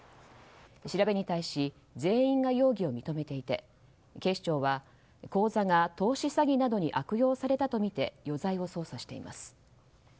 調べに対し全員が容疑を認めていて警視庁は、口座が投資詐欺などに悪用されたとみて余罪を捜査しています。